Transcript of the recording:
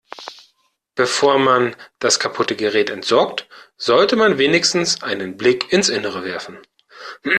Bevor man das kaputte Gerät entsorgt, sollte man wenigstens einen Blick ins Innere werfen.